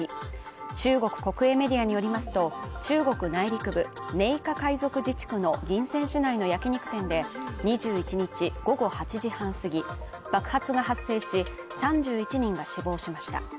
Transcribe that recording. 中国国営メディアによりますと、中国内陸部、寧夏回族自治区の銀川市内の焼き肉店で２１日午後８時半すぎ、爆発が発生し、３１人が死亡しました。